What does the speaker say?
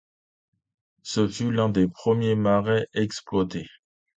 Ce fut l'un des premiers marais exploités.